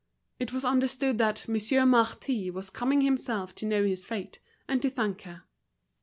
It was understood that Monsieur Marty was coming himself to know his fate and to thank her.